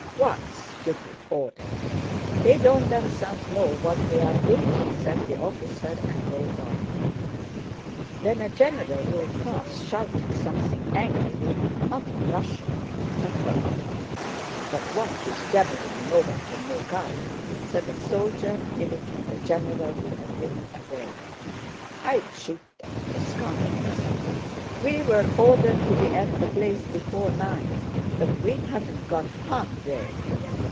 "What stupid orders! They don't themselves know what they are doing!" said the officer and rode off. Then a general rode past shouting something angrily, not in Russian. "Tafa lafa! But what he's jabbering no one can make out," said a soldier, mimicking the general who had ridden away. "I'd shoot them, the scoundrels!" "We were ordered to be at the place before nine, but we haven't got halfway.